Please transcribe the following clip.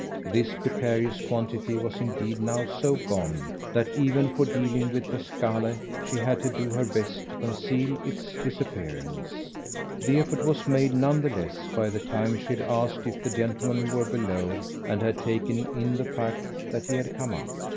This precarious quantity was indeed now so gone that even for dealing with Pasquale she had to do her best to conceal its disappearance. The effort was made, none the less, by the time she had asked if the gentleman were below and had taken in the fact that he had come up.